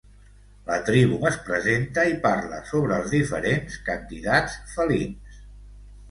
La tribu es presenta i parla sobre els diferents candidats felins.